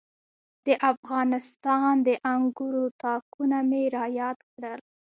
د افغانستان د انګورو تاکونه مې را یاد کړل.